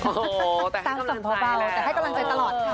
โอ้แต่ให้กำลังใจแต่ให้กำลังใจตลอดค่ะ